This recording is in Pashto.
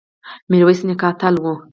میرویس نیکه اتل و